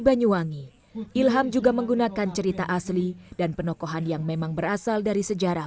banyuwangi ilham juga menggunakan cerita asli dan penokohan yang memang berasal dari sejarah